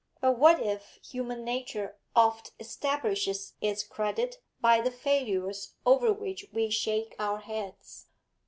But what if human nature oft establishes its credit by the failures over which we shake our heads?